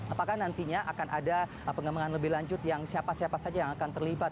apakah nantinya akan ada pengembangan lebih lanjut yang siapa siapa saja yang akan terlibat